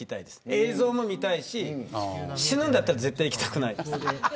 映像も見たいし、死ぬんだったら絶対行きたくないです。